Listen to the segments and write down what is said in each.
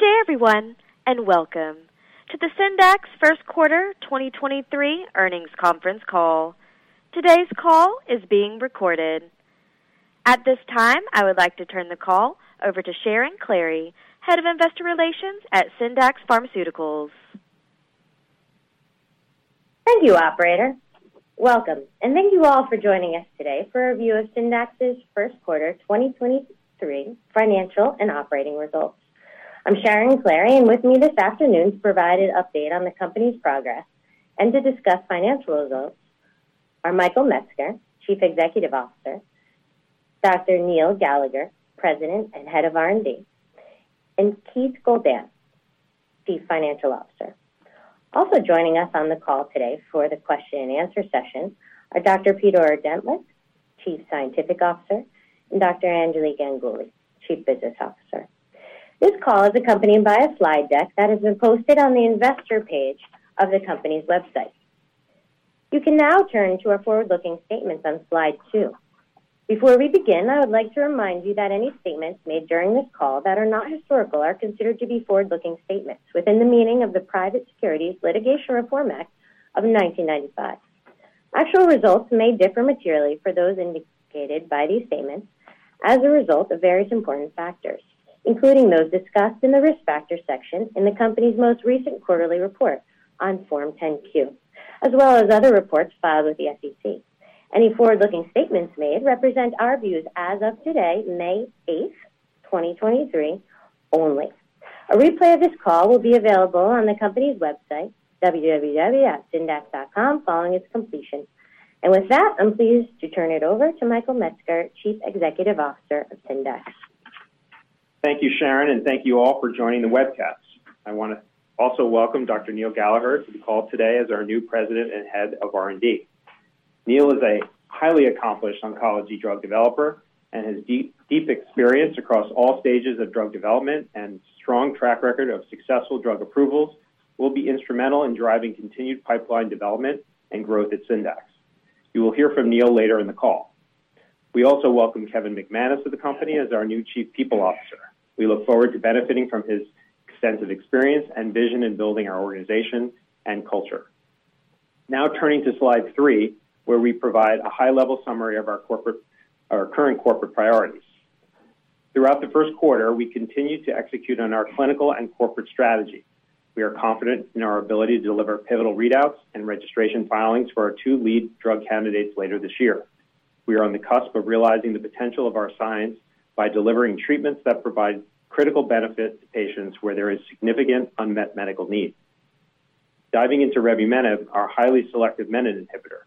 Good day, everyone, welcome to the Syndax first quarter 2023 earnings conference call. Today's call is being recorded. At this time, I would like to turn the call over to Sharon Klahre, Head of Investor Relations at Syndax Pharmaceuticals. Thank you, operator. Welcome. Thank you all for joining us today for a review of Syndax's first quarter 2023 financial and operating results. I'm Sharon Klahre, and with me this afternoon to provide an update on the company's progress and to discuss financial results are Michael Metzger, Chief Executive Officer, Dr. Neil Gallagher, President and Head of R&D, and Keith Goldan, Chief Financial Officer. Also joining us on the call today for the question and answer session are Dr. Peter Ordentlich, Chief Scientific Officer, and Dr. Anjali Ganguli, Chief Business Officer. This call is accompanied by a slide deck that has been posted on the investor page of the company's website. You can now turn to our forward-looking statements on slide two. Before we begin, I would like to remind you that any statements made during this call that are not historical are considered to be forward-looking statements within the meaning of the Private Securities Litigation Reform Act of 1995. Actual results may differ materially for those indicated by these statements as a result of various important factors, including those discussed in the Risk Factors section in the company's most recent quarterly report on Form 10-Q, as well as other reports filed with the SEC. Any forward-looking statements made represent our views as of today, May 8, 2023, only. A replay of this call will be available on the company's website, www.syndax.com, following its completion. With that, I'm pleased to turn it over to Michael Metzger, Chief Executive Officer of Syndax. Thank you, Sharon, and thank you all for joining the webcast. I want to also welcome Dr. Neil Gallagher to the call today as our new President and Head of R&D. Neil is a highly accomplished oncology drug developer and his deep experience across all stages of drug development and strong track record of successful drug approvals will be instrumental in driving continued pipeline development and growth at Syndax. You will hear from Neil later in the call. We also welcome Kevin McManus to the company as our new Chief People Officer. We look forward to benefiting from his extensive experience and vision in building our organization and culture. Turning to slide three, where we provide a high-level summary of our current corporate priorities. Throughout the first quarter, we continued to execute on our clinical and corporate strategy. We are confident in our ability to deliver pivotal readouts and registration filings for our two lead drug candidates later this year. We are on the cusp of realizing the potential of our science by delivering treatments that provide critical benefit to patients where there is significant unmet medical need. Diving into revumenib, our highly selective menin inhibitor.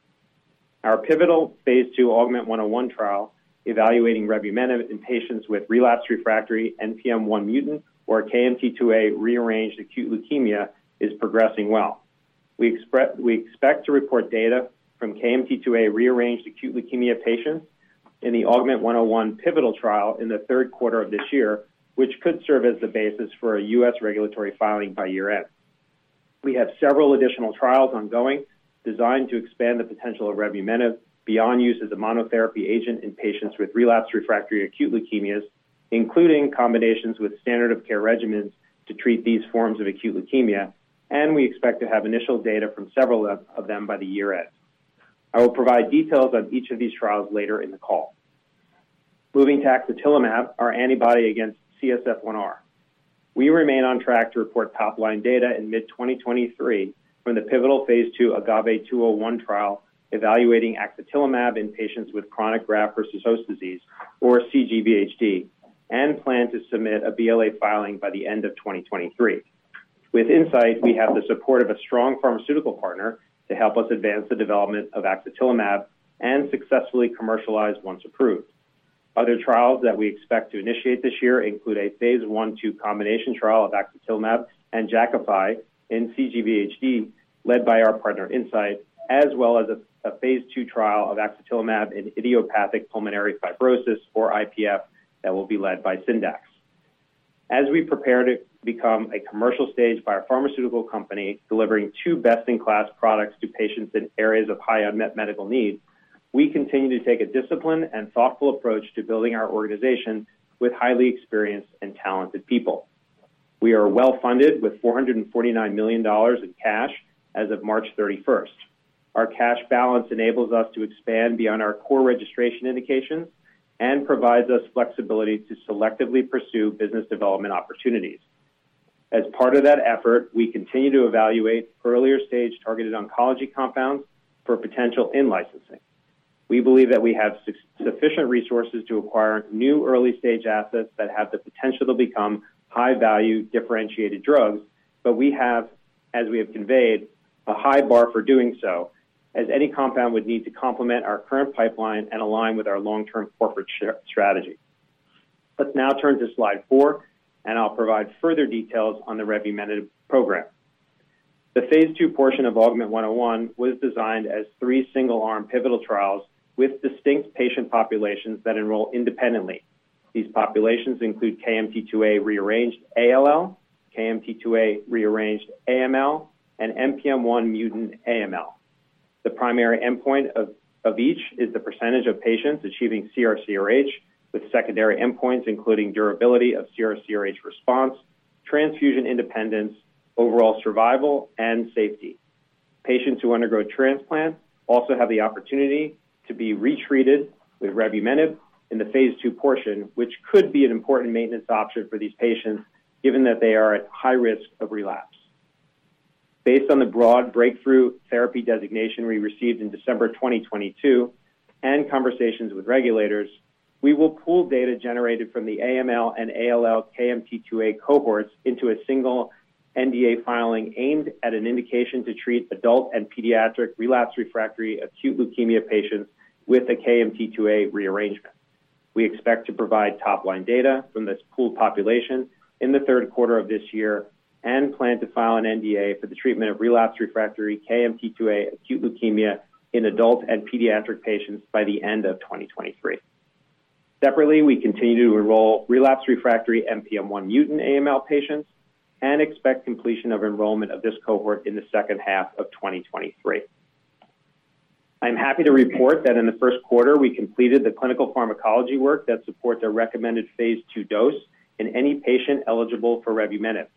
Our pivotal phase II AUGMENT-101 trial evaluating revumenib in patients with relapsed refractory NPM1-mutant or KMT2A-rearranged acute leukemia is progressing well. We expect to report data from KMT2A-rearranged acute leukemia patients in the AUGMENT-101 pivotal trial in the third quarter of this year, which could serve as the basis for a U.S. regulatory filing by year-end. We have several additional trials ongoing designed to expand the potential of revumenib beyond use as a monotherapy agent in patients with relapsed/refractory acute leukemias, including combinations with standard of care regimens to treat these forms of acute leukemia. We expect to have initial data from several of them by the year-end. I will provide details on each of these trials later in the call. Moving to axatilimab, our antibody against CSF1R. We remain on track to report top-line data in mid-2023 from the pivotal phase II AGAVE-201 trial evaluating axatilimab in patients with chronic Graft-Versus-Host Disease, or cGVHD. Plan to submit a BLA filing by the end of 2023. With Incyte, we have the support of a strong pharmaceutical partner to help us advance the development of axatilimab and successfully commercialize once approved. Other trials that we expect to initiate this year include a phase I, II combination trial of axatilimab and Jakafi in cGVHD led by our partner Incyte, as well as a phase II trial of axatilimab in idiopathic pulmonary fibrosis, or IPF, that will be led by Syndax. As we prepare to become a commercial stage biopharmaceutical company delivering two best-in-class products to patients in areas of high unmet medical need, we continue to take a disciplined and thoughtful approach to building our organization with highly experienced and talented people. We are well-funded with $449 million in cash as of March 31st. Our cash balance enables us to expand beyond our core registration indications and provides us flexibility to selectively pursue business development opportunities. As part of that effort, we continue to evaluate earlier-stage targeted oncology compounds for potential in-licensing. We believe that we have sufficient resources to acquire new early-stage assets that have the potential to become high-value differentiated drugs, we have, as we have conveyed, a high bar for doing so, as any compound would need to complement our current pipeline and align with our long-term corporate strategy. Let's now turn to slide four. I'll provide further details on the revumenib program. The phase II portion of AUGMENT-101 was designed as three single-arm pivotal trials with distinct patient populations that enroll independently. These populations include KMT2A rearranged ALL, KMT2A rearranged AML, and NPM1 mutant AML. The primary endpoint of each is the % of patients achieving CR/CRh, with secondary endpoints including durability of CR/CRh response, transfusion independence, overall survival, and safety. Patients who undergo transplant also have the opportunity to be retreated with revumenib in the phase II portion, which could be an important maintenance option for these patients given that they are at high risk of relapse. Based on the broad breakthrough therapy designation we received in December 2022 and conversations with regulators, we will pool data generated from the AML and ALL KMT2A cohorts into a single NDA filing aimed at an indication to treat adult and pediatric relapsed/refractory acute leukemia patients with a KMT2A rearrangement. We expect to provide top-line data from this pooled population in the third quarter of this year and plan to file an NDA for the treatment of relapsed/refractory KMT2A acute leukemia in adult and pediatric patients by the end of 2023. Separately, we continue to enroll relapsed/refractory NPM1-mutant AML patients and expect completion of enrollment of this cohort in the second half of 2023. I'm happy to report that in the first quarter, we completed the clinical pharmacology work that supports a recommended phase II dose in any patient eligible for revumenib.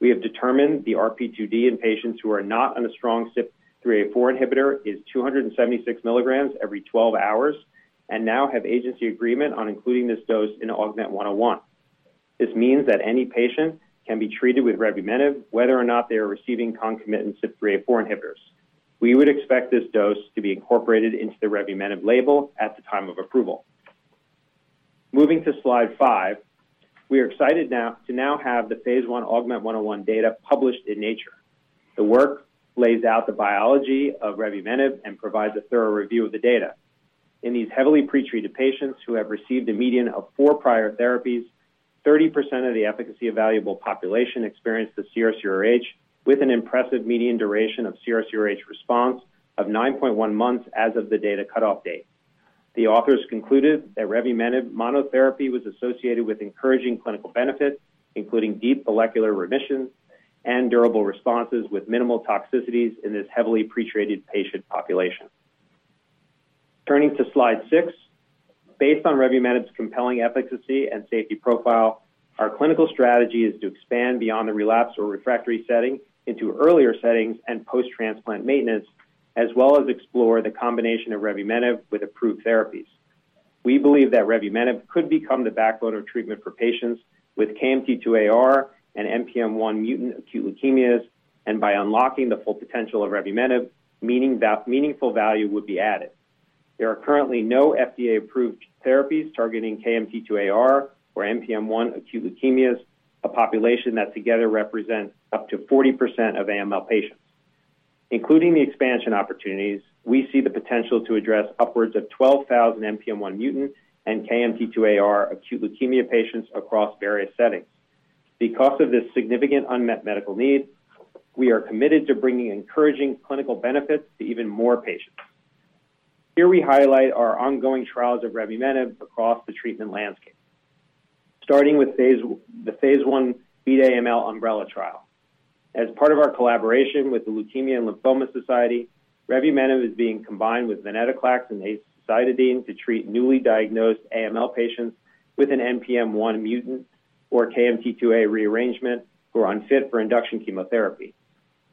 We have determined the RP2D in patients who are not on a strong CYP3A4 inhibitor is 276 mg every 12 hours and now have agency agreement on including this dose in AUGMENT-101. This means that any patient can be treated with revumenib whether or not they are receiving concomitant CYP3A4 inhibitors. We would expect this dose to be incorporated into the revumenib label at the time of approval. Moving to slide five. We are excited to now have the phase I AUGMENT-101 data published in Nature. The work lays out the biology of revumenib and provides a thorough review of the data. In these heavily pretreated patients who have received a median of four prior therapies, 30% of the efficacy-evaluable population experienced a CR/CRh with an impressive median duration of CR/CRh response of 9.1 months as of the data cut-off date. The authors concluded that revumenib monotherapy was associated with encouraging clinical benefit, including deep molecular remissions and durable responses with minimal toxicities in this heavily pretreated patient population. Turning to slide six. Based on revumenib's compelling efficacy and safety profile, our clinical strategy is to expand beyond the relapsed or refractory setting into earlier settings and post-transplant maintenance, as well as explore the combination of revumenib with approved therapies. We believe that revumenib could become the backbone of treatment for patients with KMT2AR and NPM1 mutant acute leukemias. By unlocking the full potential of revumenib, meaningful value would be added. There are currently no FDA-approved therapies targeting KMT2AR or NPM1 acute leukemias, a population that together represents up to 40% of AML patients. Including the expansion opportunities, we see the potential to address upwards of 12,000 NPM1 mutant and KMT2AR acute leukemia patients across various settings. Of this significant unmet medical need, we are committed to bringing encouraging clinical benefits to even more patients. Here we highlight our ongoing trials of revumenib across the treatment landscape. Starting with the phase I BEAT AML umbrella trial. As part of our collaboration with the Leukemia & Lymphoma Society, revumenib is being combined with venetoclax and azacitidine to treat newly diagnosed AML patients with an NPM1 mutant or KMT2A rearrangement who are unfit for induction chemotherapy.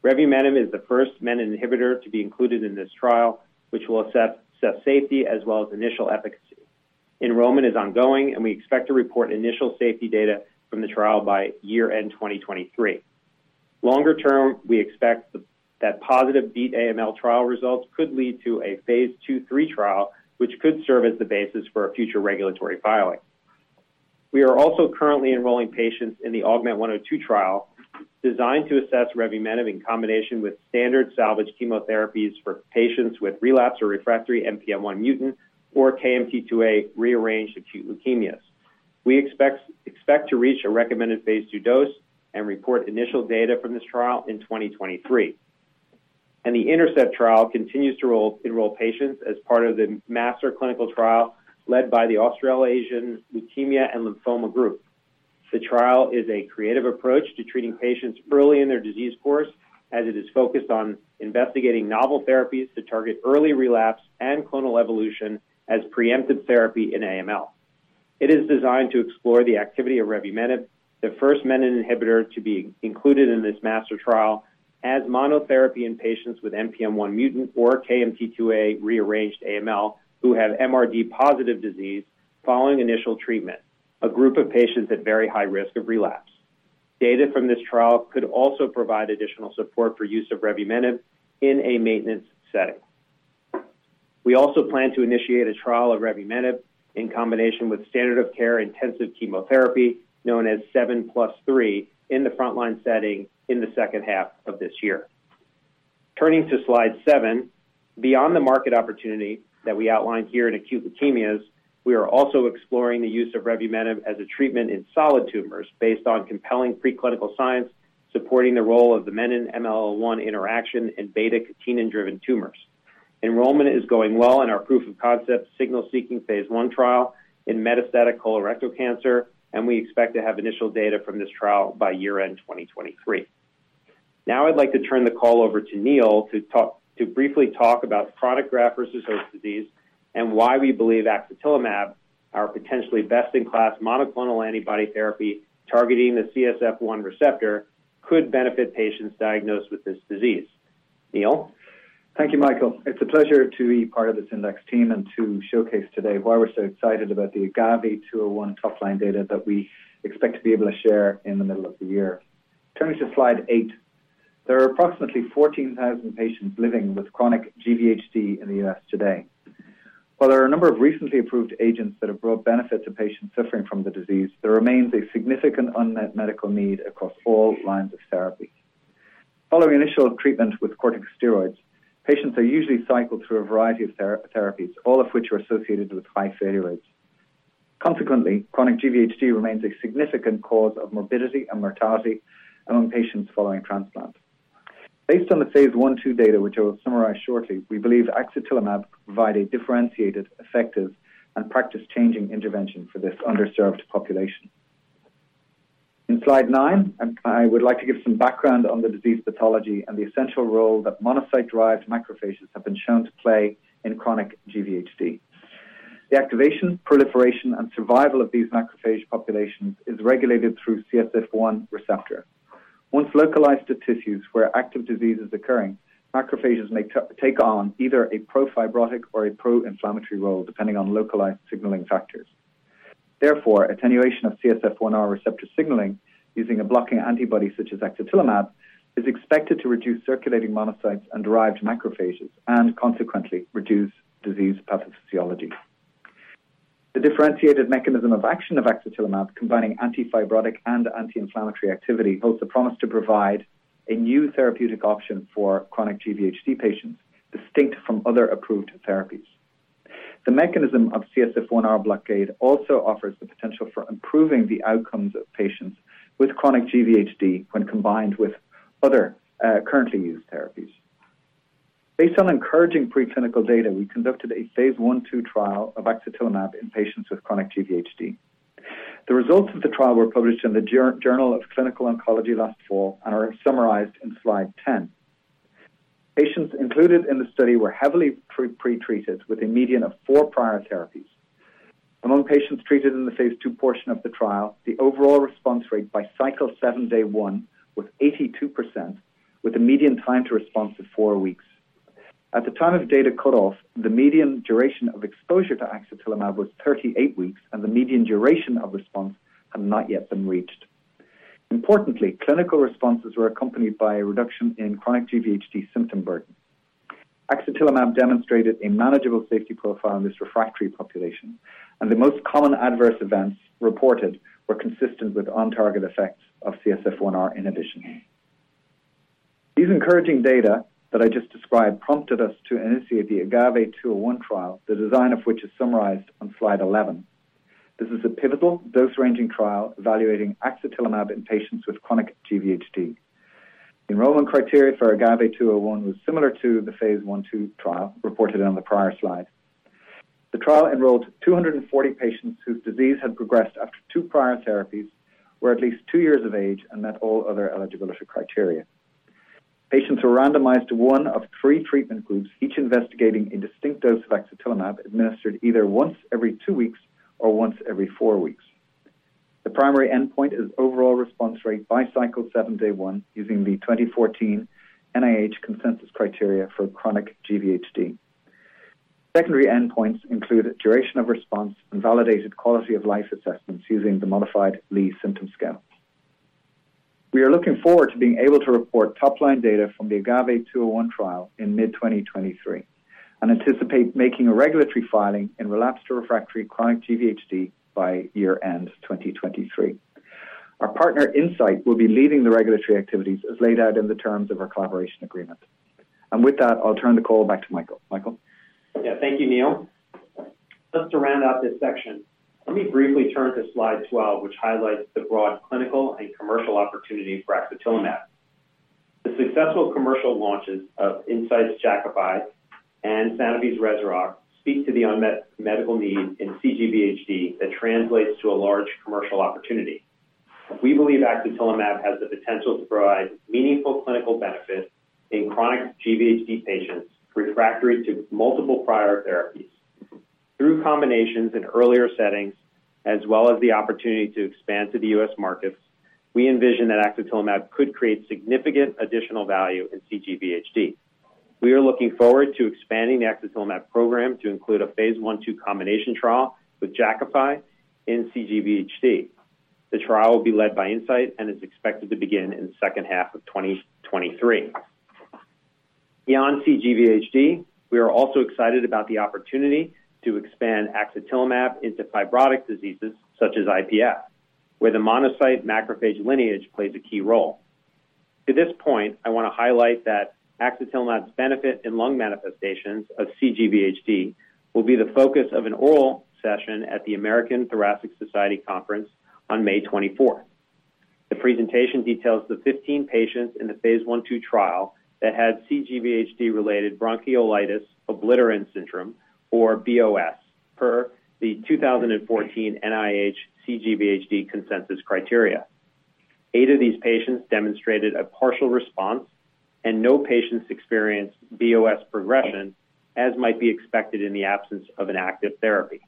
Revumenib is the first menin inhibitor to be included in this trial, which will assess safety as well as initial efficacy. Enrollment is ongoing, we expect to report initial safety data from the trial by year-end 2023. Longer term, we expect that positive BEAT-AML trial results could lead to a phase II, III trial, which could serve as the basis for a future regulatory filing. We are also currently enrolling patients in the AUGMENT-102 trial designed to assess revumenib in combination with standard salvage chemotherapies for patients with relapsed or refractory NPM1 mutant or KMT2A rearranged acute leukemias. We expect to reach a recommended phase II dose and report initial data from this trial in 2023. The INTERCEPT trial continues to enroll patients as part of the master clinical trial led by the Australasian Leukaemia & Lymphoma Group. The trial is a creative approach to treating patients early in their disease course, as it is focused on investigating novel therapies to target early relapse and clonal evolution as preemptive therapy in AML. It is designed to explore the activity of revumenib, the first menin inhibitor to be included in this master trial, as monotherapy in patients with NPM1 mutant or KMT2A rearranged AML who have MRD positive disease following initial treatment, a group of patients at very high risk of relapse. Data from this trial could also provide additional support for use of revumenib in a maintenance setting. We also plan to initiate a trial of revumenib in combination with standard of care intensive chemotherapy, known as 7+3, in the frontline setting in the second half of this year. Turning to slide seven. Beyond the market opportunity that we outlined here in acute leukemias, we are also exploring the use of revumenib as a treatment in solid tumors based on compelling preclinical science supporting the role of the menin-MLL1 interaction in β-catenin-driven tumors. Enrollment is going well in our proof-of-concept signal-seeking phase I trial in metastatic colorectal cancer, and we expect to have initial data from this trial by year-end 2023. I'd like to turn the call over to Neil to briefly talk about chronic Graft-Versus-Host Disease and why we believe axatilimab, our potentially best-in-class monoclonal antibody therapy targeting the CSF1R, could benefit patients diagnosed with this disease. Neil? Thank you, Michael. It's a pleasure to be part of this Syndax team and to showcase today why we're so excited about the AGAVE-201 top-line data that we expect to be able to share in the middle of the year. Turning to slide eight. There are approximately 14,000 patients living with chronic GVHD in the U.S. today. While there are a number of recently approved agents that have brought benefit to patients suffering from the disease, there remains a significant unmet medical need across all lines of therapy. Following initial treatment with corticosteroids, patients are usually cycled through a variety of therapies, all of which are associated with high failure rates. Consequently, chronic GVHD remains a significant cause of morbidity and mortality among patients following transplant. Based on the phase I, II data, which I will summarize shortly, we believe axatilimab provide a differentiated, effective, and practice-changing intervention for this underserved population. In slide nine, I would like to give some background on the disease pathology and the essential role that monocyte-derived macrophages have been shown to play in chronic GVHD. The activation, proliferation, and survival of these macrophage populations is regulated through CSF1 receptor. Once localized to tissues where active disease is occurring, macrophages may take on either a pro-fibrotic or a pro-inflammatory role, depending on localized signaling factors. Therefore, attenuation of CSF1R receptor signaling using a blocking antibody such as axatilimab is expected to reduce circulating monocytes and derived macrophages and consequently reduce disease pathophysiology. The differentiated mechanism of action of axatilimab, combining anti-fibrotic and anti-inflammatory activity, holds the promise to provide a new therapeutic option for chronic cGVHD patients, distinct from other approved therapies. The mechanism of CSF1R blockade also offers the potential for improving the outcomes of patients with chronic cGVHD when combined with other currently used therapies. Based on encouraging preclinical data, we conducted a phase I, II trial of axatilimab in patients with chronic cGVHD. The results of the trial were published in the Journal of Clinical Oncology last fall and are summarized in slide 10. Patients included in the study were heavily pretreated with a median of four prior therapies. Among patients treated in the phase II portion of the trial, the overall response rate by cycle seven, day one was 82%, with a median time to response of four weeks. At the time of data cutoff, the median duration of exposure to axatilimab was 38 weeks, and the median duration of response had not yet been reached. Importantly, clinical responses were accompanied by a reduction in chronic cGVHD symptom burden. Axatilimab demonstrated a manageable safety profile in this refractory population, and the most common adverse events reported were consistent with on-target effects of CSF1R inhibition. These encouraging data that I just described prompted us to initiate the AGAVE-201 trial, the design of which is summarized on slide 11. This is a pivotal dose-ranging trial evaluating axatilimab in patients with chronic cGVHD. Enrollment criteria for AGAVE-201 was similar to the phase I, II trial reported on the prior slide. The trial enrolled 240 patients whose disease had progressed after two prior therapies, were at least two years of age, and met all other eligibility criteria. Patients were randomized to one of three treatment groups, each investigating a distinct dose of axatilimab administered either once every two weeks or once every four weeks. The primary endpoint is overall response rate by cycle seven, day one, using the 2014 NIH consensus criteria for chronic GVHD. Secondary endpoints include duration of response and validated quality-of-life assessments using the modified Lee Symptom Scale. We are looking forward to being able to report top-line data from the AGAVE-201 trial in mid-2023 and anticipate making a regulatory filing in relapsed or refractory chronic GVHD by year-end 2023. Our partner, Incyte, will be leading the regulatory activities as laid out in the terms of our collaboration agreement. With that, I'll turn the call back to Michael. Michael? Yeah. Thank you, Neil. Just to round out this section, let me briefly turn to slide 12, which highlights the broad clinical and commercial opportunity for axatilimab. The successful commercial launches of Incyte's Jakafi and Sanofi's Rezurock speak to the unmet medical need in cGVHD that translates to a large commercial opportunity. We believe axatilimab has the potential to provide meaningful clinical benefit in chronic GVHD patients refractory to multiple prior therapies. Through combinations in earlier settings, as well as the opportunity to expand to the U.S. markets, we envision that axatilimab could create significant additional value in cGVHD. We are looking forward to expanding the axatilimab program to include a phase I, II combination trial with Jakafi in cGVHD. The trial will be led by Incyte and is expected to begin in second half of 2023. Beyond cGVHD, we are also excited about the opportunity to expand axatilimab into fibrotic diseases such as IPF, where the monocyte macrophage lineage plays a key role. To this point, I wanna highlight that axatilimab's benefit in lung manifestations of cGVHD will be the focus of an oral session at the American Thoracic Society Conference on May 24th. The presentation details the 15 patients in the phase I, II trial that had cGVHD-related bronchiolitis obliterans syndrome or BOS per the 2014 NIH cGVHD consensus criteria. Eight of these patients demonstrated a partial response, and no patients experienced BOS progression as might be expected in the absence of an active therapy.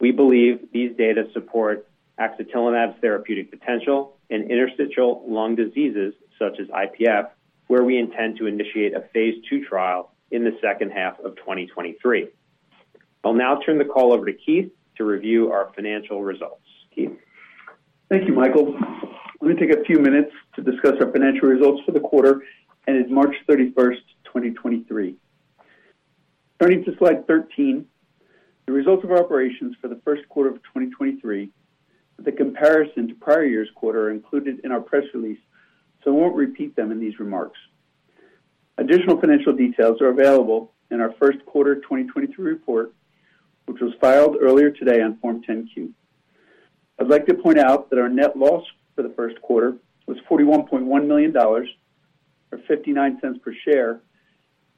We believe these data support axatilimab's therapeutic potential in interstitial lung diseases such as IPF, where we intend to initiate a phase II trial in the second half of 2023. I'll now turn the call over to Keith to review our financial results. Keith? Thank you, Michael. I'm gonna take a few minutes to discuss our financial results for the quarter ended March 31st, 2023. Turning to slide 13, the results of our operations for the first quarter of 2023 with the comparison to prior year's quarter are included in our press release, so I won't repeat them in these remarks. Additional financial details are available in our first quarter 2023 report, which was filed earlier today on Form 10-Q. I'd like to point out that our net loss for the first quarter was $41.1 million, or $0.59 per share,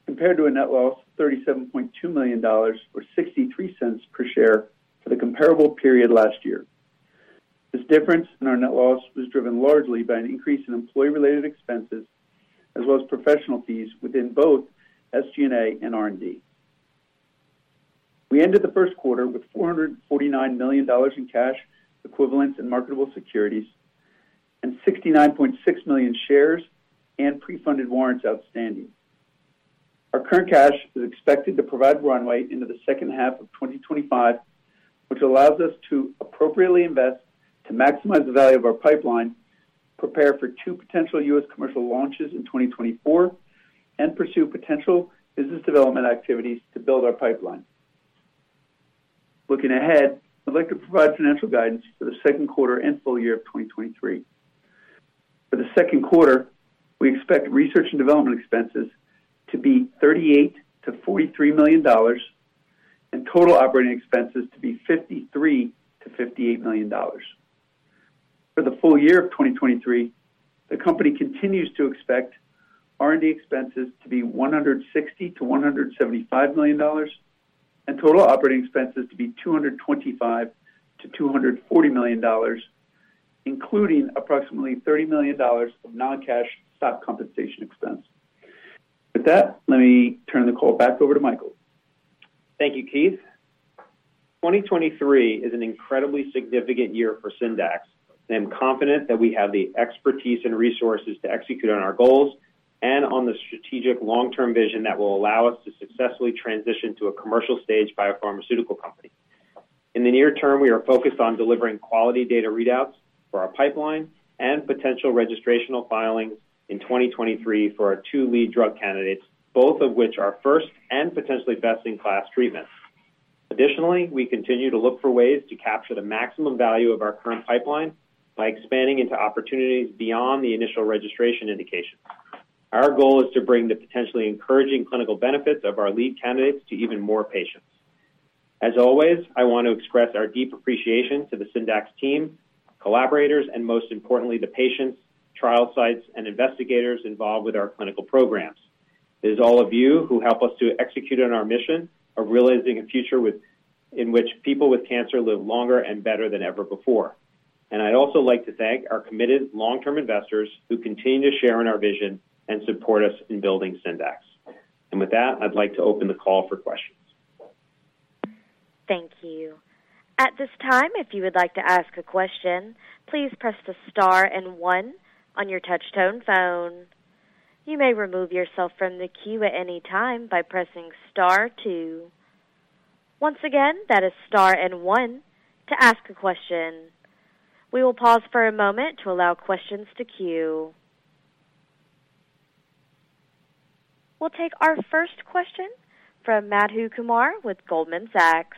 compared to a net loss of $37.2 million or $0.63 per share for the comparable period last year. This difference in our net loss was driven largely by an increase in employee-related expenses as well as professional fees within both SG&A and R&D. We ended the first quarter with $449 million in cash equivalents and marketable securities and 69.6 million shares and pre-funded warrants outstanding. Our current cash is expected to provide runway into the second half of 2025, which allows us to appropriately invest to maximize the value of our pipeline, prepare for two potential U.S. commercial launches in 2024, and pursue potential business development activities to build our pipeline. Looking ahead, I'd like to provide financial guidance for the second quarter and full year of 2023. For the second quarter, we expect research and development expenses to be $38 million-$43 million and total operating expenses to be $53 million-$58 million. For the full year of 2023, the company continues to expect R&D expenses to be $160 million-$175 million and total operating expenses to be $225 million-$240 million, including approximately $30 million of non-cash stock compensation expense. With that, let me turn the call back over to Michael. Thank you, Keith. 2023 is an incredibly significant year for Syndax. I'm confident that we have the expertise and resources to execute on our goals and on the strategic long-term vision that will allow us to successfully transition to a commercial stage biopharmaceutical company. In the near term, we are focused on delivering quality data readouts for our pipeline and potential registrational filings in 2023 for our two lead drug candidates, both of which are first and potentially best-in-class treatments. We continue to look for ways to capture the maximum value of our current pipeline by expanding into opportunities beyond the initial registration indication. Our goal is to bring the potentially encouraging clinical benefits of our lead candidates to even more patients. As always, I want to express our deep appreciation to the Syndax team, collaborators, and most importantly, the patients, trial sites, and investigators involved with our clinical programs. It is all of you who help us to execute on our mission of realizing a future in which people with cancer live longer and better than ever before. I'd also like to thank our committed long-term investors who continue to share in our vision and support us in building Syndax. With that, I'd like to open the call for questions. Thank you. At this time, if you would like to ask a question, please press the star and one on your touch-tone phone. You may remove yourself from the queue at any time by pressing star two. Once again, that is star and one to ask a question. We will pause for a moment to allow questions to queue. We'll take our first question from Madhu Kumar with Goldman Sachs.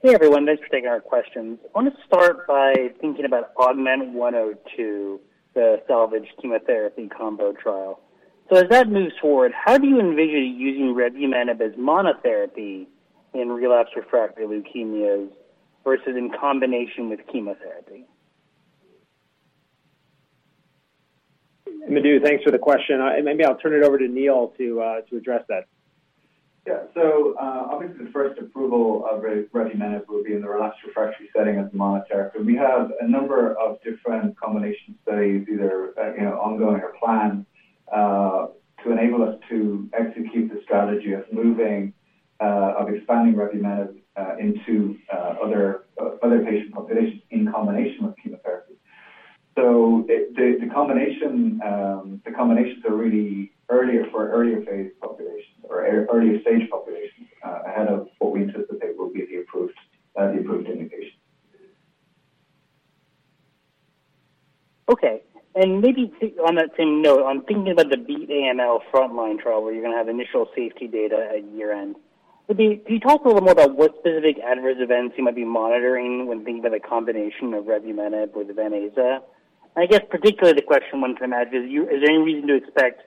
Hey, everyone. Thanks for taking our questions. I wanna start by thinking about AUGMENT-102, the salvage chemotherapy combo trial. As that moves forward, how do you envision using revumenib as monotherapy in relapsed refractory leukemias versus in combination with chemotherapy? Madhu, thanks for the question. maybe I'll turn it over to Neil to address that. Obviously, the first approval of revumenib will be in the relapsed refractory setting as monotherapy. We have a number of different combination studies either ongoing or planned to enable us to execute the strategy of moving of expanding revumenib into other patient populations in combination with chemotherapy. The combinations are really earlier for earlier phase populations or earlier stage populations ahead of what we anticipate will be the approved indication. Okay. Maybe on that same note, I'm thinking about the BEAT AML frontline trial where you're gonna have initial safety data at year-end. Could you talk a little more about what specific adverse events you might be monitoring when thinking about a combination of revumenib with venetoclax? I guess particularly the question one can imagine is there any reason to expect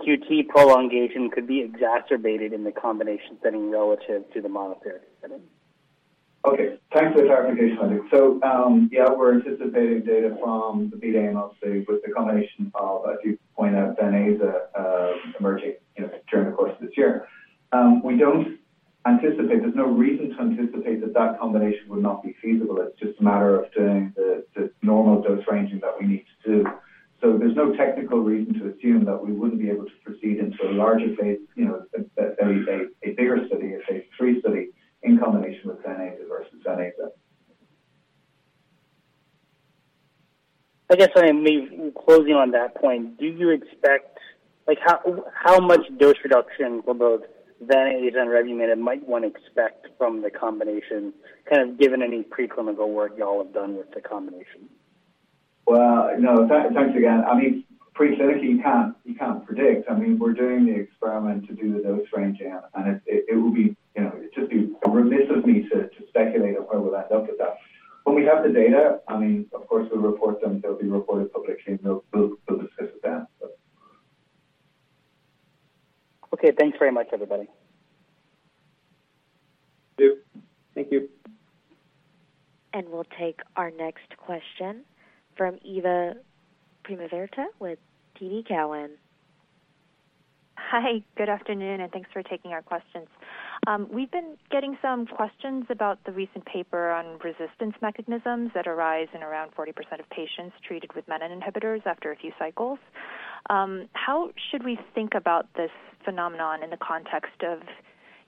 QT prolongation could be exacerbated in the combination setting relative to the monotherapy setting? Thanks for the clarification, Madhu. Yeah, we're anticipating data from the BEAT AML with the combination of, as you point out, venetoclax, emerging, you know, during the course of this year. There's no reason to anticipate that that combination would not be feasible. It's just a matter of doing the normal dose ranging that we need to do. There's no technical reason to assume that we wouldn't be able to proceed into a larger phase, you know, a bigger study, a phase III study in combination with venetoclax versus venetoclax. Closing on that point, do you expect, like, how much dose reduction for both venetoclax and revumenib might one expect from the combination, kind of given any preclinical work y'all have done with the combination? Well, no. Thanks again. I mean, preclinically, you can't predict. I mean, we're doing the experiment to do the dose ranging, and it would be, You know, it'd just be remiss of me to speculate on where we'll end up with that. When we have the data, I mean, of course, we'll report them. They'll be reported publicly, we'll discuss it then. Okay. Thanks very much, everybody. Thank you. We'll take our next question from Eva Privitera with TD Cowen. Hi. Good afternoon. Thanks for taking our questions. We've been getting some questions about the recent paper on resistance mechanisms that arise in around 40% of patients treated with MEK inhibitors after a few cycles. How should we think about this phenomenon in the context of,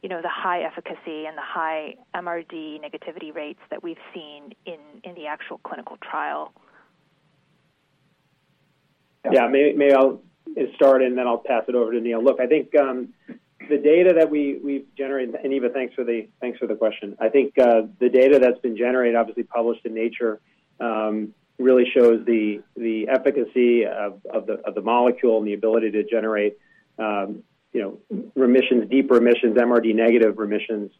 you know, the high efficacy and the high MRD negativity rates that we've seen in the actual clinical trial? Yeah. May I start, and then I'll pass it over to Neil. Look, I think, the data that we've generated. Eva, thanks for the question. I think, the data that's been generated, obviously published in Nature, really shows the efficacy of the, of the molecule and the ability to generate, you know, remissions, deep remissions, MRD negative remissions,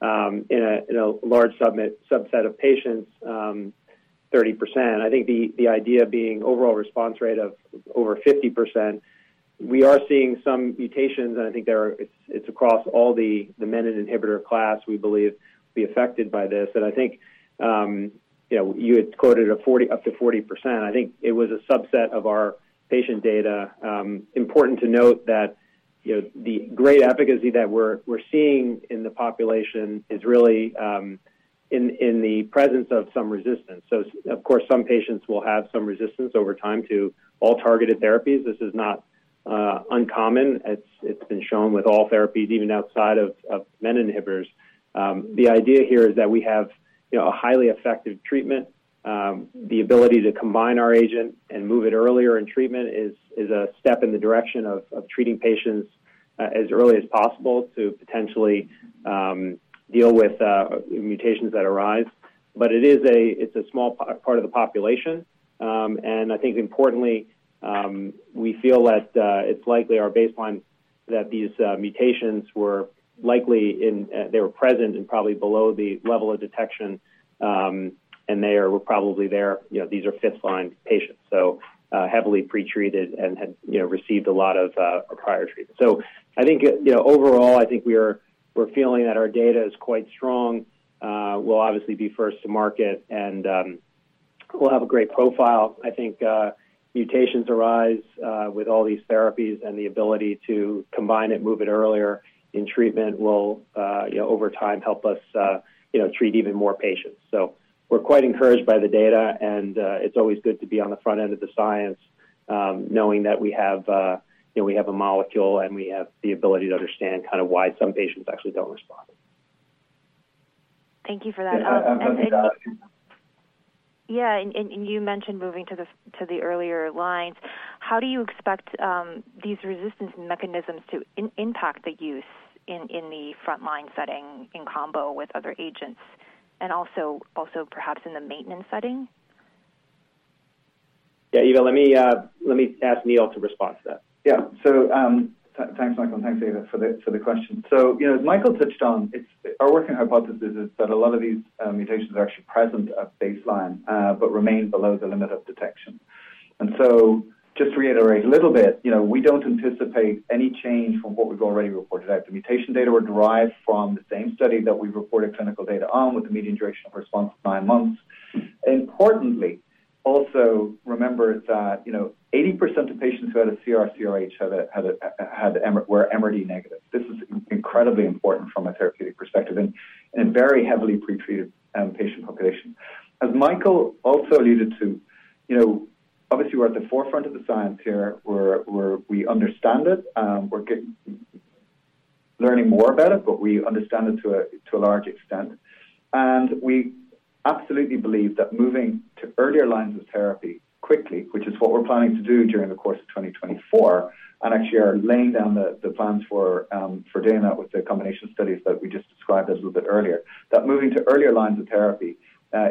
in a, in a large subset of patients, 30%. I think the idea being overall response rate of over 50%, we are seeing some mutations, and I think they are. It's, it's across all the MEK inhibitor class, we believe, will be affected by this. I think, you know, you had quoted a 40%, up to 40%. I think it was a subset of our patient data. Important to note that, you know, the great efficacy that we're seeing in the population is really in the presence of some resistance. Of course, some patients will have some resistance over time to all targeted therapies. This is not uncommon. It's been shown with all therapies, even outside of MEK inhibitors. The idea here is that we have, you know, a highly effective treatment. The ability to combine our agent and move it earlier in treatment is a step in the direction of treating patients as early as possible to potentially deal with mutations that arise. It is a small part of the population. I think importantly, we feel that it's likely our baseline that these mutations were likely in, they were present and probably below the level of detection, and they are probably there. You know, these are fifth line patients, so heavily pretreated and had, you know, received a lot of prior treatment. I think, you know, overall, I think we're feeling that our data is quite strong. We'll obviously be first to market and we'll have a great profile. I think mutations arise with all these therapies and the ability to combine it, move it earlier in treatment will, you know, over time help us, you know, treat even more patients. We're quite encouraged by the data, and it's always good to be on the front end of the science, knowing that we have, you know, we have a molecule, and we have the ability to understand kind of why some patients actually don't respond. Thank you for that. Yeah. Yeah. You mentioned moving to the earlier lines. How do you expect these resistance mechanisms to impact the use in the frontline setting in combo with other agents and also perhaps in the maintenance setting? Eva, let me ask Neil to respond to that. Yeah. Thanks, Michael, and thanks, Eva, for the question. You know, as Michael touched on, it's. Our working hypothesis is that a lot of these mutations are actually present at baseline, but remain below the limit of detection. Just to reiterate a little bit, you know, we don't anticipate any change from what we've already reported out. The mutation data were derived from the same study that we reported clinical data on, with the median duration of response of nine months. Importantly, also remember that, you know, 80% of patients who had a CR/CRh were MRD negative. This is incredibly important from a therapeutic perspective and very heavily pretreated patient population. As Michael also alluded to, you know, obviously, we're at the forefront of the science here. We understand it. We're learning more about it, but we understand it to a large extent. We absolutely believe that moving to earlier lines of therapy quickly, which is what we're planning to do during the course of 2024, and actually are laying down the plans for doing that with the combination studies that we just described a little bit earlier, that moving to earlier lines of therapy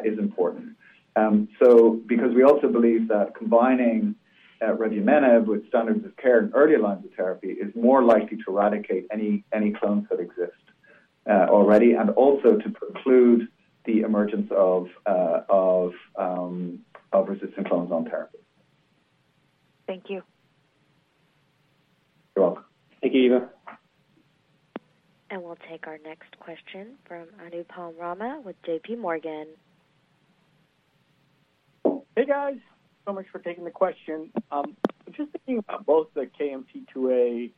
is important. Because we also believe that combining radiomimetic with standards of care in earlier lines of therapy is more likely to eradicate any clones that exist already and also to preclude the emergence of resistant clones on therapy. Thank you. You're welcome. Thank you, Eva. We'll take our next question from Anupam Rama with JPMorgan. Hey, guys. Much for taking the question. I'm just thinking about both the KMT2A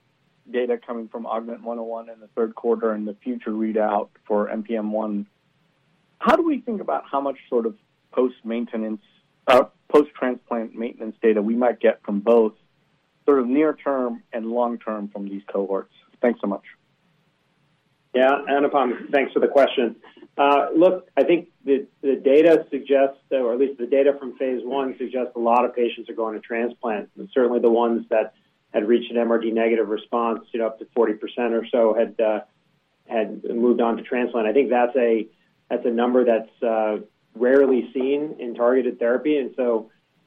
data coming from AUGMENT-101 in the third quarter and the future readout for NPM1. How do we think about how much sort of post-maintenance, post-transplant maintenance data we might get from both sort of near term and long term from these cohorts? Thanks so much. Yeah. Anupam, thanks for the question. Look, I think the data suggests, or at least the data from phase I suggests a lot of patients are going to transplant, and certainly the ones that had reached an MRD negative response, you know, up to 40% or so had moved on to transplant. I think that's a number that's rarely seen in targeted therapy.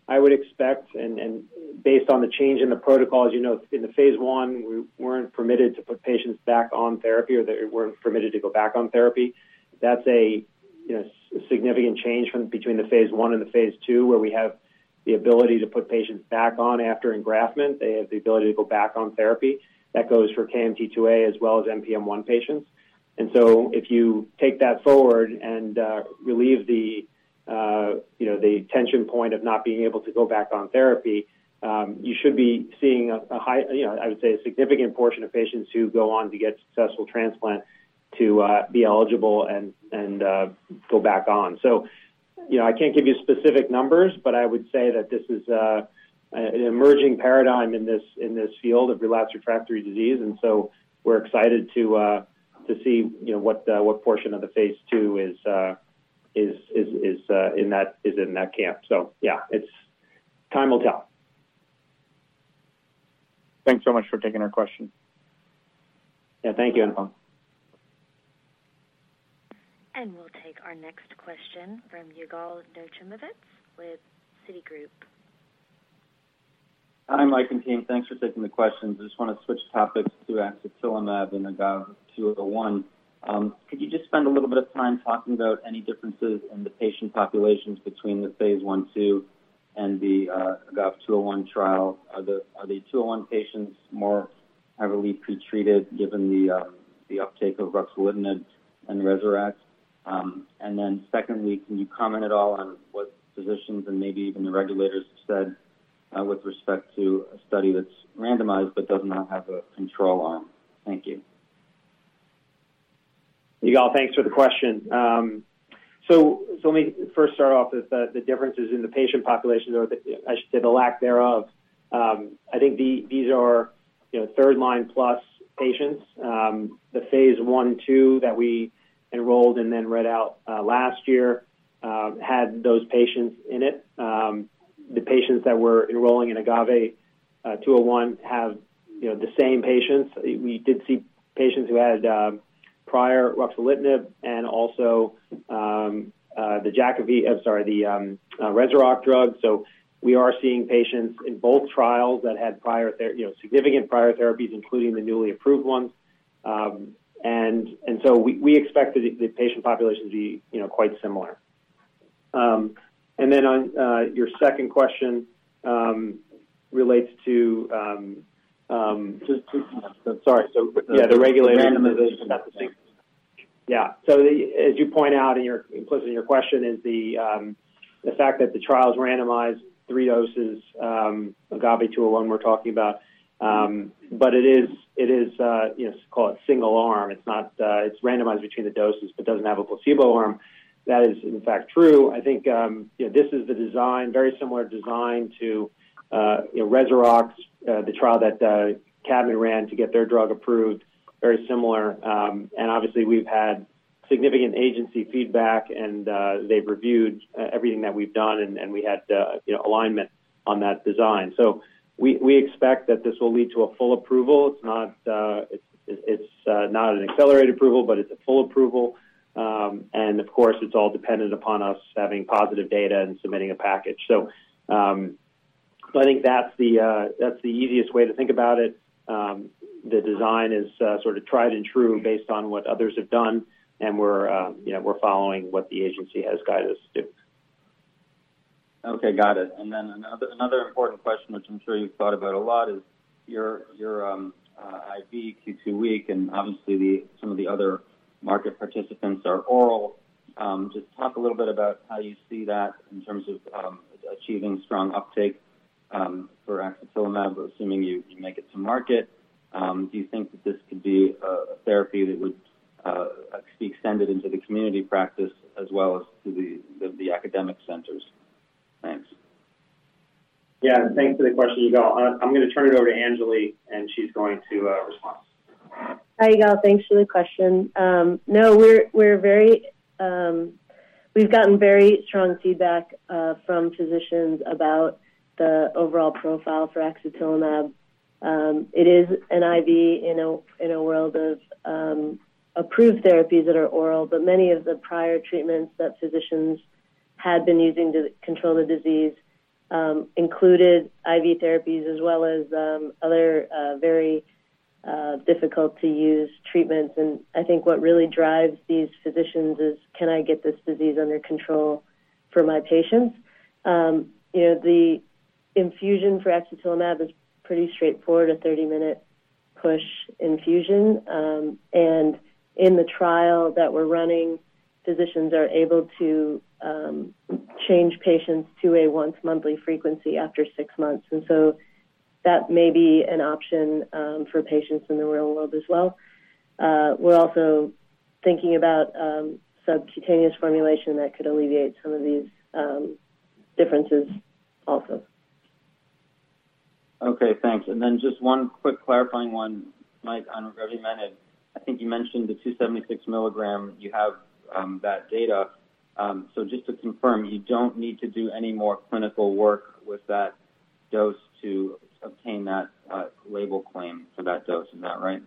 I would expect and based on the change in the protocols, you know, in the phase I, we weren't permitted to put patients back on therapy, or they weren't permitted to go back on therapy. That's a, you know, significant change from between the phase I and the phase II, where we have the ability to put patients back on after engraftment. They have the ability to go back on therapy. That goes for KMT2A as well as NPM1 patients. If you take that forward and relieve the, you know, the tension point of not being able to go back on therapy, you should be seeing a high, you know, I would say a significant portion of patients who go on to get successful transplant to be eligible and go back on. You know, I can't give you specific numbers, but I would say that this is an emerging paradigm in this, in this field of relapsed refractory disease. We're excited to see, you know, what portion of the phase II is in that camp. Yeah, it's... Time will tell. Thanks so much for taking our question. Yeah, thank you. Anupam. We'll take our next question from Yigal Nochomovitz with Citigroup. Hi, Mike and team. Thanks for taking the questions. I just wanna switch topics to axatilimab and AGAVE-201. Could you just spend a little of time talking about any differences in the patient populations between the phase I, II and the AGAVE-201 trial? Are the 201 patients more heavily pretreated given the uptake of ruxolitinib and Rezurock? Secondly, can you comment at all on what physicians and maybe even the regulators have said with respect to a study that's randomized but does not have a control arm? Thank you. Yigal, thanks for the question. So let me first start off with the differences in the patient population or to, I should say the lack thereof. I think these are, you know, third-line plus patients. The phase I, II that we enrolled and then read out last year had those patients in it. The patients that we're enrolling in AGAVE-201 have, you know, the same patients. We did see patients who had prior ruxolitinib and also sorry, the Rezurock drug. We are seeing patients in both trials that had prior you know, significant prior therapies, including the newly approved ones. And so we expect the patient population to be, you know, quite similar. Then on your second question relates to. Sorry. Yeah. Randomization. As you point out in your implicit in your question is the fact that the trial's randomized three doses, AGAVE-201 we're talking about, but it is, you know, call it single arm. It's not, it's randomized between the doses but doesn't have a placebo arm. That is, in fact, true. I think, you know, this is the design, very similar design to, you know, Rezurock's, the trial that Kadmon ran to get their drug approved, very similar. And obviously, we've had significant agency feedback, and they've reviewed everything that we've done, and we had, you know, alignment on that design. We, we expect that this will lead to a full approval. It's not, it's, not an accelerated approval, but it's a full approval. Of course, it's all dependent upon us having positive data and submitting a package. I think that's the easiest way to think about it. The design is, sort of tried and true based on what others have done, and we're, you know, we're following what the agency has guided us to. Okay. Got it. Another important question which I'm sure you've thought about a lot is your IV Q2 week. Obviously, some of the other market participants are oral. Just talk a little bit about how you see that in terms of achieving strong uptake for axatilimab, assuming you make it to market. Do you think that this could be a therapy that would be extended into the community practice as well as to the academic centers? Thanks. Yeah. Thanks for the question, Yigal. I'm gonna turn it over to Anjali, and she's going to respond. Hi, Yigal. Thanks for the question. We've gotten very strong feedback from physicians about the overall profile for axicabtagene. It is an IV in a world of approved therapies that are oral, but many of the prior treatments that physicians had been using to control the disease included IV therapies as well as other difficult to use treatments. I think what really drives these physicians is, can I get this disease under control for my patients? You know, the infusion for axicabtagene is pretty straightforward, a 30-minute push infusion. In the trial that we're running, physicians are able to change patients to a once monthly frequency after 6 months. That may be an option for patients in the real world as well. We're also thinking about subcutaneous formulation that could alleviate some of these differences also. Okay, thanks. Just one quick clarifying one, Mike, I don't know if you've mentioned. I think you mentioned the 276 milligram, you have that data. Just to confirm, you don't need to do any more clinical work with that dose to obtain that label claim for that dose. Is that right?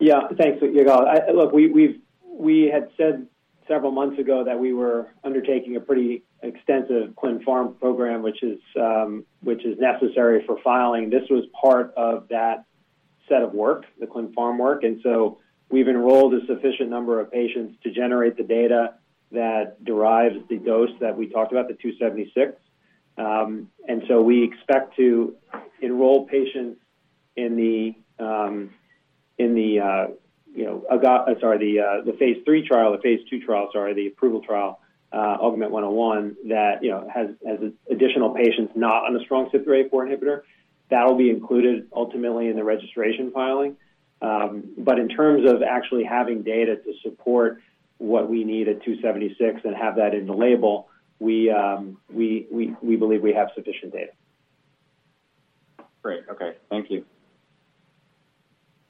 Thanks, Yigal. I look, we've said several months ago that we were undertaking a pretty extensive clin pharm program, which is necessary for filing. This was part of that set of work, the clin pharm work. We've enrolled a sufficient number of patients to generate the data that derives the dose that we talked about, the 276. We expect to enroll patients in the, you know, phase II trial, sorry, the approval trial, AUGMENT-101, that, you know, has additional patients not on a strong CYP3A4 inhibitor. That'll be included ultimately in the registration filing. In terms of actually having data to support what we need at 276 and have that in the label, we believe we have sufficient data. Great. Okay. Thank you.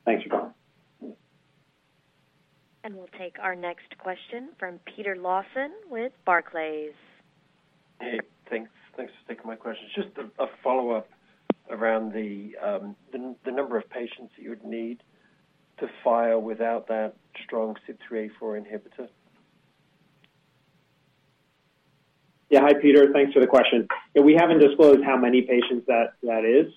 Thanks, Yigal. We'll take our next question from Peter Lawson with Barclays. Hey, thanks. Thanks for taking my questions. Just a follow-up around the number of patients that you would need to file without that strong CYP3A4 inhibitor. Yeah. Hi, Peter. Thanks for the question. Yeah, we haven't disclosed how many patients that is.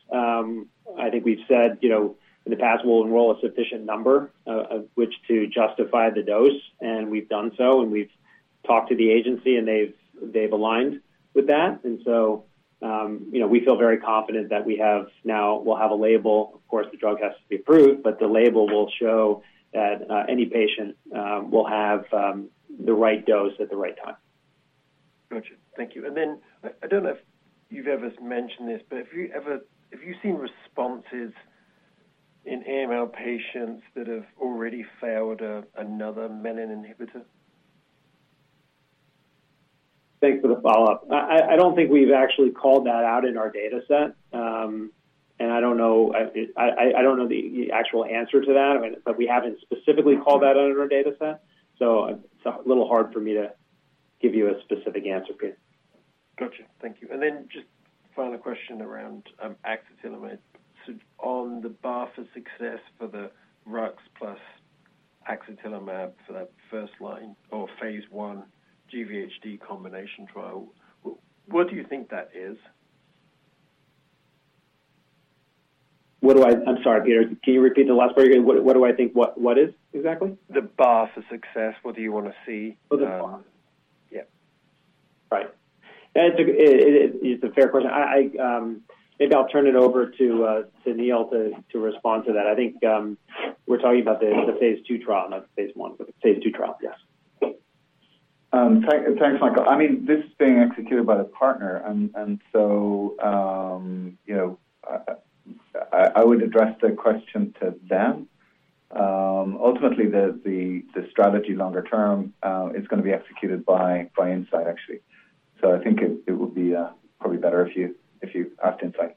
I think we've said, you know, in the past, we'll enroll a sufficient number, of which to justify the dose, and we've done so, and we've talked to the agency, and they've aligned with that. You know, we feel very confident that we have... now we'll have a label. Of course, the drug has to be approved, but the label will show that, any patient, will have, the right dose at the right time. Got you. Thank you. Then I don't know if you've ever mentioned this, but have you seen responses in AML patients that have already failed, another menin inhibitor? Thanks for the follow-up. I don't think we've actually called that out in our dataset. I don't know, I don't know the actual answer to that, but we haven't specifically called that out in our dataset. It's a little hard for me to give you a specific answer, Peter. Got you. Thank you. Just final question around axicabtagene. On the bar for success for the Rux plus axicabtagene for that first line or phase I GVHD combination trial, what do you think that is? I'm sorry, Peter. Can you repeat the last part again? What do I think what is, exactly? The bar for success, what do you wanna see? Oh, the bar. Yeah. Right. It is a fair question. Maybe I'll turn it over to Neil to respond to that. I think we're talking about the phase II trial, not the phase I, but the phase II trial. Yes. Thanks, Michael. I mean, this is being executed by the partner and so, you know, I would address the question to them. Ultimately, the strategy longer term, is gonna be executed by Incyte, actually. I think it would be probably better if you asked Incyte.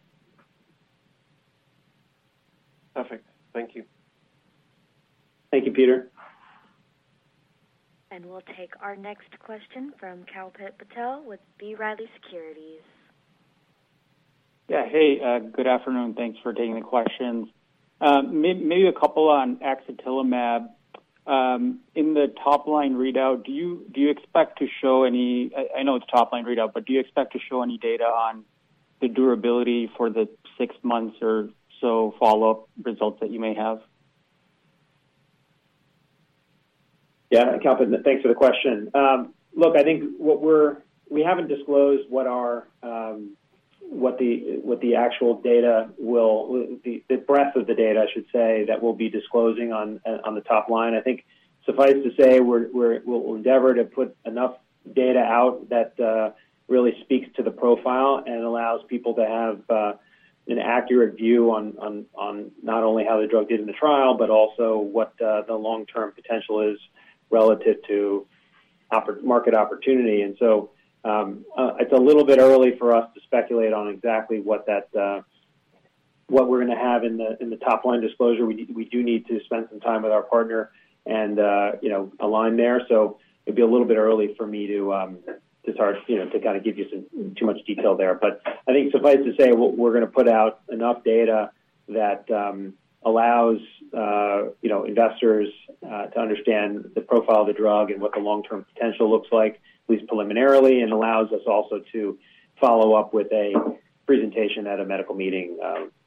Perfect. Thank you. Thank you, Peter. We'll take our next question from Kalpit Patel with B. Riley Securities. Yeah. Hey, good afternoon. Thanks for taking the questions. Maybe a couple on axicabtagene. In the top line readout, do you, do you expect to show any... I know it's top line readout, but do you expect to show any data on the durability for the six months or so follow-up results that you may have? Yeah, Kalpit, thanks for the question. Look, I think we haven't disclosed what our actual data, the breadth of the data, I should say, that we'll be disclosing on the top line. I think suffice to say we'll endeavor to put enough data out that really speaks to the profile and allows people to have an accurate view on not only how the drug did in the trial, but also what the long-term potential is relative to market opportunity. It's a little bit early for us to speculate on exactly what that, what we're gonna have in the top line disclosure. We do need to spend some time with our partner and, you know, align there. It'd be a little bit early for me to start, you know, to kinda give you some too much detail there. I think suffice to say, we're gonna put out enough data that allows, you know, investors to understand the profile of the drug and what the long-term potential looks like, at least preliminarily, and allows us also to follow up with a presentation at a medical meeting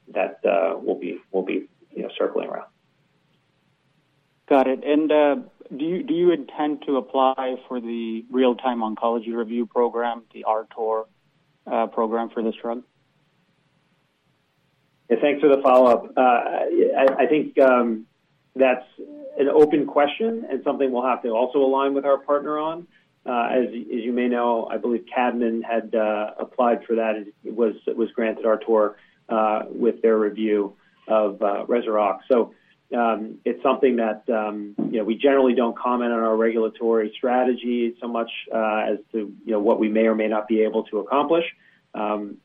that we'll be, you know, circling around. Got it. Do you intend to apply for the Real-Time Oncology Review Program, the RTOR, program for this drug? Yeah, thanks for the follow-up. I think that's an open question and something we'll have to also align with our partner on. As you may know, I believe Kadmon had applied for that and was granted RTOR with their review of Rezurock. It's something that, you know, we generally don't comment on our regulatory strategy so much as to, you know, what we may or may not be able to accomplish. Certainly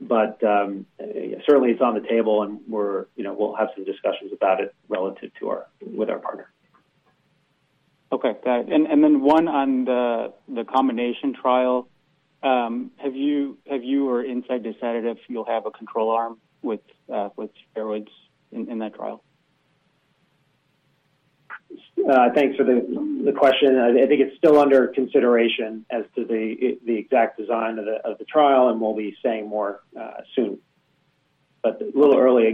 it's on the table, and we're, you know, we'll have some discussions about it relative to with our partner. Okay. Got it. One on the combination trial. Have you or Incyte decided if you'll have a control arm with steroids in that trial? Thanks for the question. I think it's still under consideration as to the exact design of the trial, and we'll be saying more soon. A little early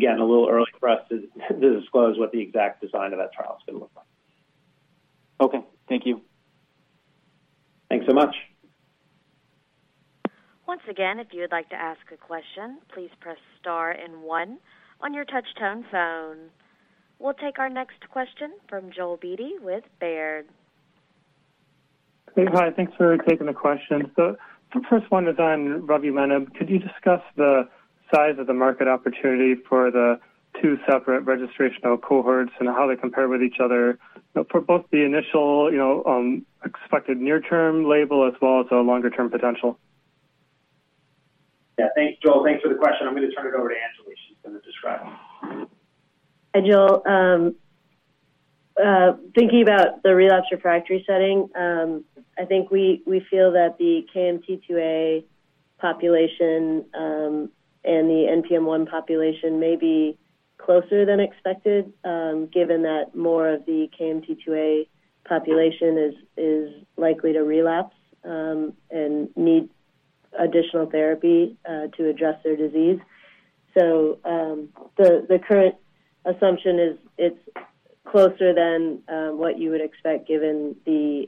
for us to disclose what the exact design of that trial is gonna look like. Okay. Thank you. Thanks so much. Once again, if you would like to ask a question, please press star and one on your touchtone phone. We'll take our next question from Joel Beatty with Baird. Hey. Hi. Thanks for taking the question. The first one is on revumenib. Could you discuss the size of the market opportunity for the two separate registrational cohorts and how they compare with each other for both the initial, you know, expected near-term label as well as a longer-term potential? Yeah. Thanks, Joel. Thanks for the question. I'm gonna turn it over to Anjali. She's gonna describe. Hi, Joel. Thinking about the relapsed refractory setting, I think we feel that the KMT2A population and the NPM1 population may be closer than expected, given that more of the KMT2A population is likely to relapse and need additional therapy to address their disease. The current assumption is it's closer than what you would expect given the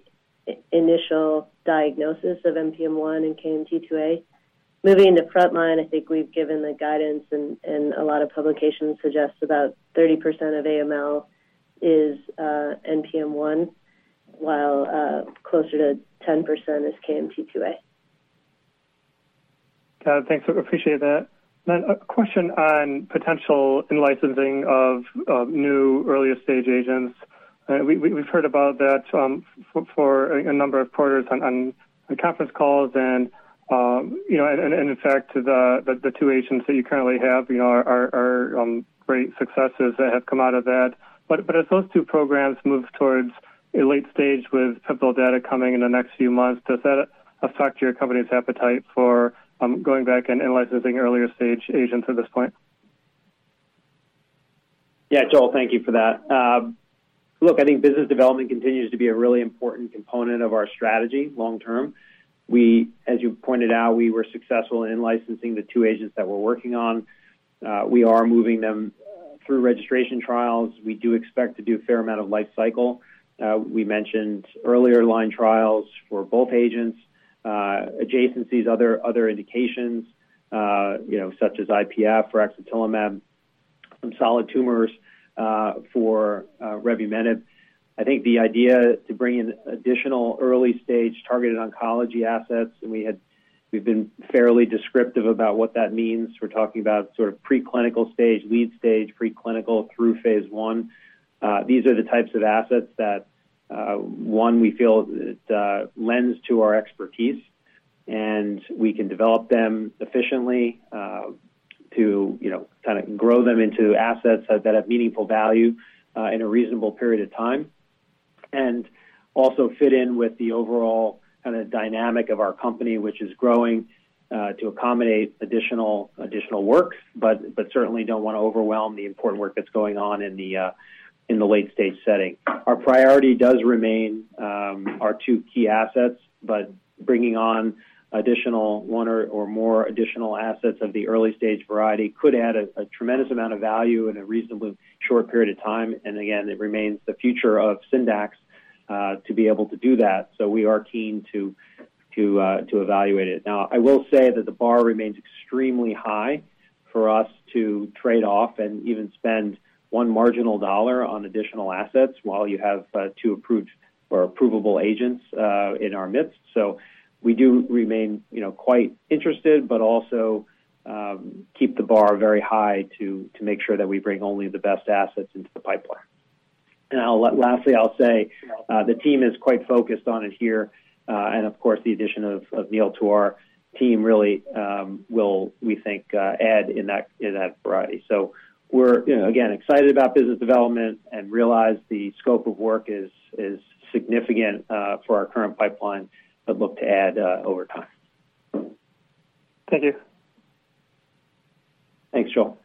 initial diagnosis of NPM1 and KMT2A. Moving to frontline, I think we've given the guidance and a lot of publications suggest about 30% of AML is NPM1, while closer to 10% is KMT2A. Got it. Thanks. Appreciate that. A question on potential in-licensing of new earlier stage agents. We've heard about that for a number of quarters on conference calls and, you know, and in fact, the two agents that you currently have, you know, are great successes that have come out of that. As those two programs move towards a late stage with pivotal data coming in the next few months, does that affect your company's appetite for going back and in-licensing earlier stage agents at this point? Yeah. Joel, thank you for that. Look, I think business development continues to be a really important component of our strategy long term. We, as you pointed out, we were successful in licensing the two agents that we're working on. We are moving them through registration trials. We do expect to do a fair amount of life cycle. We mentioned earlier line trials for both agents, adjacencies other indications, you know, such as IPF for axatilimab, some solid tumors, for revumenib. I think the idea to bring in additional early-stage targeted oncology assets, we've been fairly descriptive about what that means. We're talking about sort of preclinical stage, lead stage, preclinical through phase I. These are the types of assets that, one, we feel it lends to our expertise, and we can develop them efficiently, to, you know, kinda grow them into assets that have meaningful value in a reasonable period of time and also fit in with the overall kinda dynamic of our company, which is growing to accommodate additional work, but certainly don't want to overwhelm the important work that's going on in the late-stage setting. Our priority does remain our two key assets, but bringing on additional one or more additional assets of the early-stage variety could add a tremendous amount of value in a reasonably short period of time. Again, it remains the future of Syndax to be able to do that, we are keen to evaluate it. I will say that the bar remains extremely high for us to trade off and even spend one marginal dollar on additional assets while you have two approved or approvable agents in our midst. We do remain, you know, quite interested but also keep the bar very high to make sure that we bring only the best assets into the pipeline. Lastly, I'll say, the team is quite focused on it here. Of course, the addition of Neil to our team really will, we think, add in that variety. We're, you know, again, excited about business development and realize the scope of work is significant for our current pipeline, look to add over time. Thank you. Thanks, Joel.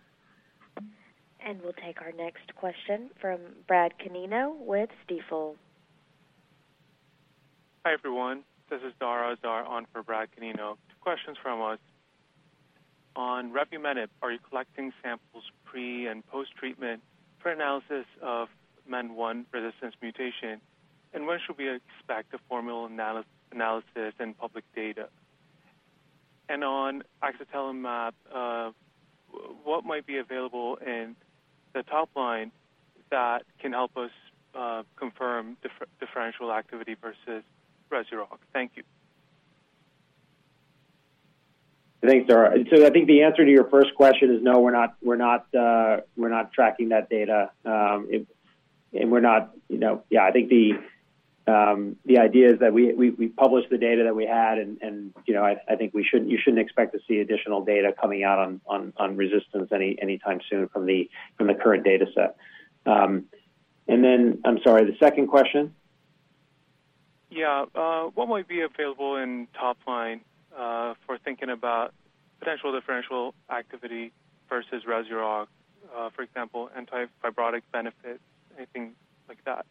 We'll take our next question from Brad Canino with Stifel. Hi, everyone. This is Dara Azar on for Brad Canino. Questions from us. On revumenib, are you collecting samples pre and post-treatment for analysis of MEN1 resistance mutation? When should we expect a formal analysis and public data? On axatilimab, what might be available in the top line that can help us confirm differential activity versus Rezurock? Thank you. Thanks, Dara. I think the answer to your first question is no, we're not tracking that data. We're not, you know... Yeah, I think the idea is that we published the data that we had and, you know, I think we shouldn't expect to see additional data coming out on resistance anytime soon from the current data set. I'm sorry, the second question? Yeah. What might be available in top line, for thinking about potential differential activity versus Rezurock, for example, anti-fibrotic benefit, anything like that?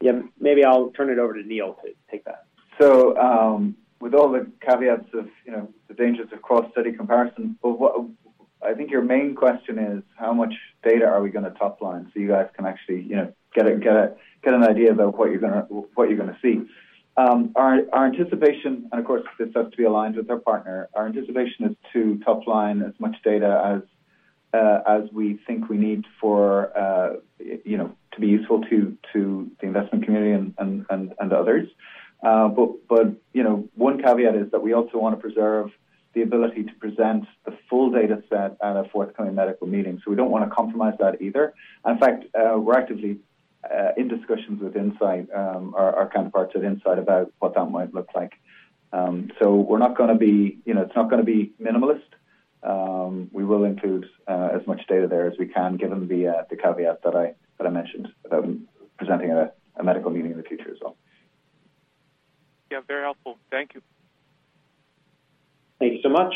Yeah. Maybe I'll turn it over to Neil to take that. With all the caveats of, you know, the dangers of cross-study comparison, well, what I think your main question is how much data are we gonna top line, so you guys can actually, you know, get an idea about what you're gonna, what you're gonna see. Our anticipation, and of course, this has to be aligned with our partner. Our anticipation is to top line as much data as we think we need for, you know, to be useful to the investment community and others. But, you know, one caveat is that we also wanna preserve the ability to present the full data set at a forthcoming medical meeting, so we don't wanna compromise that either. In fact, we're actively in discussions with Incyte, our counterparts at Incyte about what that might look like. We're not gonna be, you know, it's not gonna be minimalist. We will include as much data there as we can, given the caveat that I mentioned about presenting at a medical meeting in the future as well. Yeah, very helpful. Thank you. Thank you so much.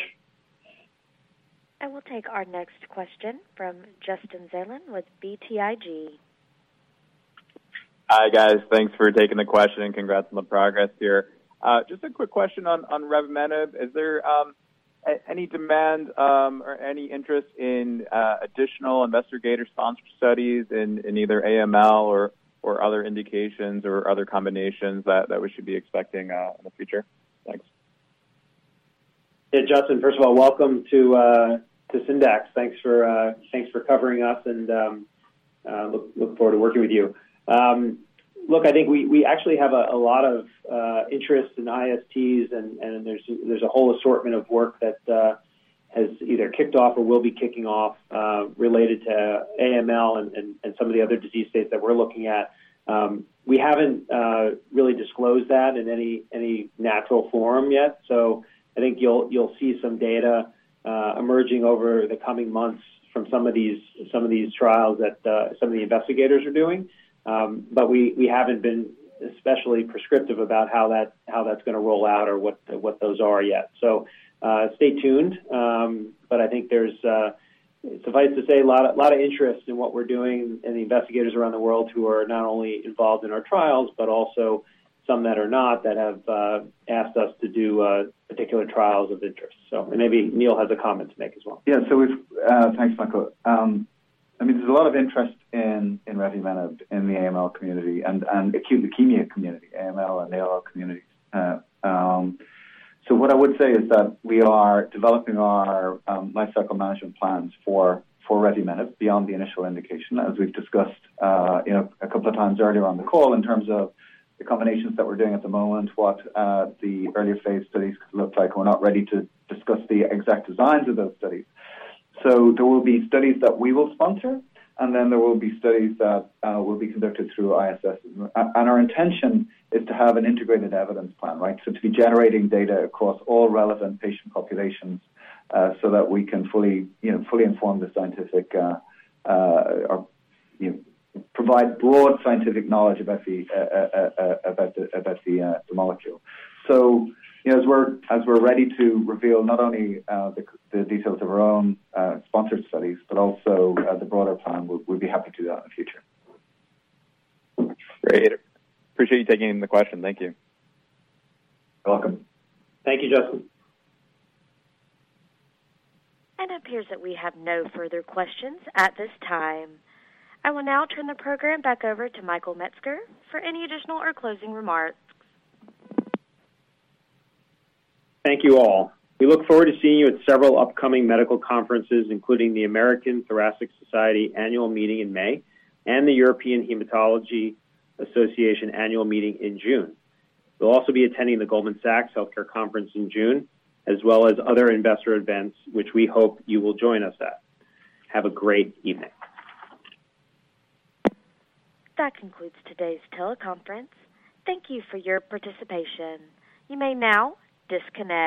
We'll take our next question from Justin Zelin with BTIG. Hi, guys. Thanks for taking the question, and congrats on the progress here. Just a quick question on revumenib. Is there any demand or any interest in either AML or other indications or other combinations that we should be expecting in the future? Thanks. Hey, Justin. First of all, welcome to Syndax. Thanks for covering us, and looking forward to working with you. look, I think we actually have a lot of interest in ISTs, and there's a whole assortment of work that has either kicked off or will be kicking off related to AML and some of the other disease states that we're looking at. we haven't really disclosed that in any natural form yet. So I think you'll see some data emerging over the coming months from some of these trials that some of the investigators are doing. we haven't been especially prescriptive about how that's gonna roll out or what those are yet. Stay tuned. I think there's, suffice to say, a lot of interest in what we're doing and the investigators around the world who are not only involved in our trials, but also some that are not, that have asked us to do particular trials of interest. Maybe Neil has a comment to make as well. Yeah. Thanks, Michael. I mean, there's a lot of interest in revumenib in the AML community and acute leukemia community, AML and ALL communities. What I would say is that we are developing our lifecycle management plans for revumenib beyond the initial indication, as we've discussed, you know, a couple of times earlier on the call in terms of the combinations that we're doing at the moment, what the earlier phase studies look like. We're not ready to discuss the exact designs of those studies. There will be studies that we will sponsor, and then there will be studies that will be conducted through ISTs. Our intention is to have an integrated evidence plan, right? To be generating data across all relevant patient populations, so that we can fully, you know, inform the scientific or, you know, provide broad scientific knowledge about the molecule. You know, as we're ready to reveal not only the details of our own sponsored studies, but also the broader plan, we'll be happy to do that in the future. Great. Appreciate you taking the question. Thank you. You're welcome. Thank you, Justin. It appears that we have no further questions at this time. I will now turn the program back over to Michael Metzger for any additional or closing remarks. Thank you all. We look forward to seeing you at several upcoming medical conferences, including the American Thoracic Society Annual Meeting in May and the European Hematology Association Annual Meeting in June. We'll also be attending the Goldman Sachs Healthcare Conference in June, as well as other investor events which we hope you will join us at. Have a great evening. That concludes today's teleconference. Thank you for your participation. You may now disconnect.